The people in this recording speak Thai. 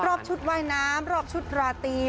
รอบชุดว่ายน้ำรอบชุดราตรี